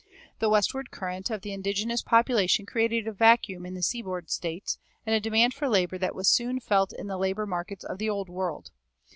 The westward current of the indigenous population created a vacuum in the seaboard States, and a demand for labor that was soon felt in the labor markets of the Old World.